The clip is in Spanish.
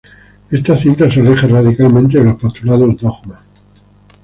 Esta cinta se aleja radicalmente de los postulados Dogma.